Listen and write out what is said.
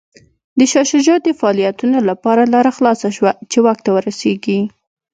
د شاه شجاع د فعالیتونو لپاره لاره خلاصه شوه چې واک ته ورسېږي.